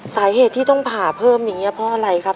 สาเหตุที่ต้องผ่าเพิ่มอย่างนี้เพราะอะไรครับ